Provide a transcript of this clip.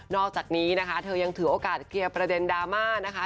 นอกจากนี้เธอยังถือโอกาสเกลียบประเด็นดราม่า